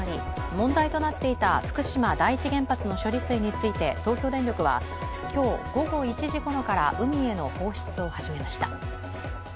問題となっていた福島第一原発の処理水について東京電力は今日午後１時ごろから海への放出を始めました。